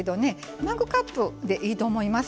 マグカップでいいと思います。